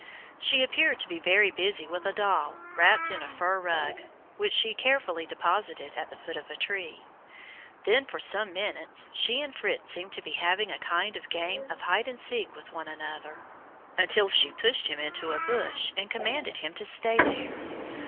She appeared to be very busy with a doll wrapped in a fur rug which she carefully deposited at the foot of the tree; then for some minutes she and Fritz seemed to be having a kind of a game of hide and seek with one another, until she pushed him into a bush and commanded him to stay there.